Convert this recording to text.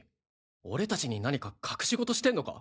俺たちに何か隠し事してんのか？